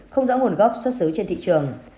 không dõi nguồn gốc xuất xứ trên thị trường